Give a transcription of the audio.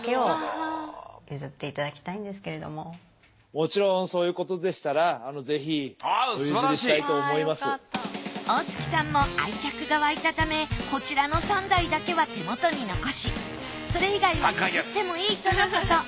もちろんそういうことでしたら大槻さんも愛着がわいたためこちらの３台だけは手元に残しそれ以外は譲ってもいいとのこと。